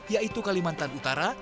yaitu kalimantan utara